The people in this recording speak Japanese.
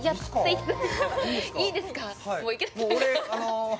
いいですか？